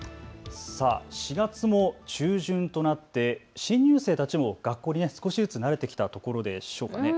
４月も中旬となって新入生たちも学校に少しずつ慣れてきたところでしょうか。